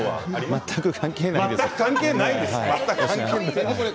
全く関係ないです。